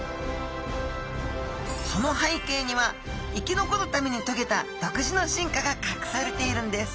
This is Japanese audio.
その背景には生き残るためにとげた独自の進化が隠されているんです！